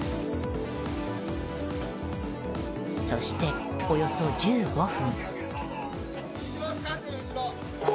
そして、およそ１５分。